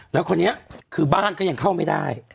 แล้วคนนี้คือบ้านก็ยังเข้าไม่ได้